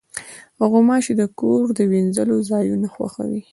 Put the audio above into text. غوماشې د کور د وینځلو ځایونه خوښوي.